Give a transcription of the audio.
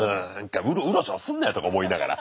うろちょろすんなよとか思いながら。